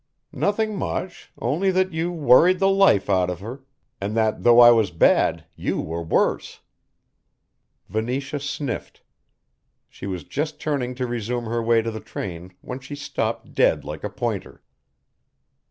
"Nothing much, only that you worried the life out of her, and that though I was bad you were worse." Venetia sniffed. She was just turning to resume her way to the train when she stopped dead like a pointer.